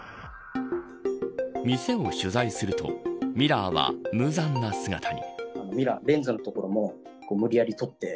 店を取材するとミラーは無残な姿に。